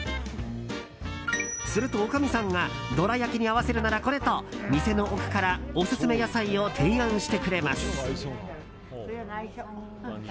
すると、おかみさんがどら焼きに合わせるならこれと店の奥からオススメ野菜を提案してくれます。